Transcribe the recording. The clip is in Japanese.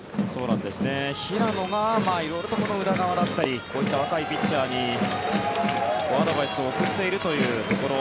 平野が色々と宇田川だったりこういった若いピッチャーにアドバイスを送っているというところ。